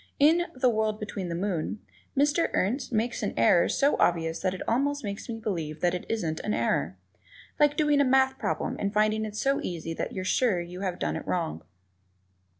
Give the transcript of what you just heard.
In "The World Behind the Moon," Mr. Ernst makes an error so obvious that it almost makes me believe that it isn't an error. Like doing a math problem and finding it so easy that you're sure that you have it wrong.